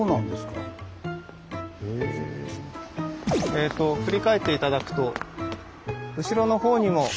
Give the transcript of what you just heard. えと振り返って頂くと後ろのほうにも。